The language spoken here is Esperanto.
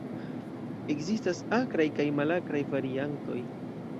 Ekzistas akraj kaj malakraj variantoj.